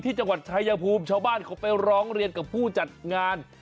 จังหวัดชายภูมิชาวบ้านเขาไปร้องเรียนกับผู้จัดงาน